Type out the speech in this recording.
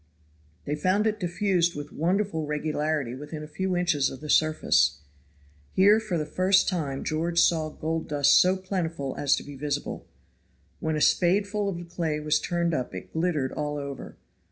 They found it diffused with wonderful regularity within a few inches of the surface. Here for the first time George saw gold dust so plentiful as to be visible. When a spadeful of the clay was turned up it glittered all over.